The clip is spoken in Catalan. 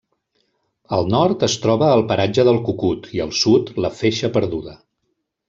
Al nord, es troba el paratge del Cucut i al sud, la Feixa Perduda.